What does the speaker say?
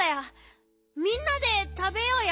みんなでたべようよ。